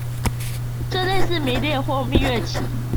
這類似迷戀或蜜月期